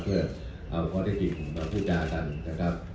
เพื่อเอาข้อเทคติของนักศึกษากันนะครับ